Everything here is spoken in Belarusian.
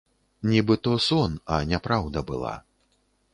Нібы то сон, а не праўда была.